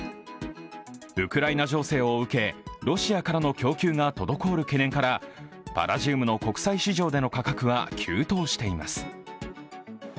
ウクライナ情勢を受け、ロシアからの供給が滞る懸念からパラジウムの国際市場での価格は急騰しています。